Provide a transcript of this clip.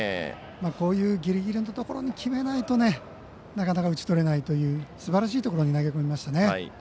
こういうギリギリのところに決めないとなかなか、打ち取れないというすばらしいところに投げ込みましたね。